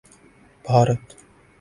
Bharat